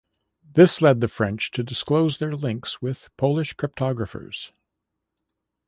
This led the French to disclose their links with Polish cryptographers.